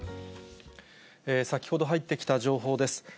先ほど入ってきた情報です。